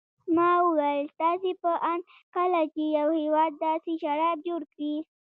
ما وویل: ستاسې په اند کله چې یو هېواد داسې شراب جوړ کړي.